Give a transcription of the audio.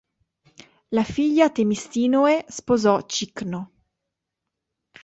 La figlia Themistinoe sposò Cicno.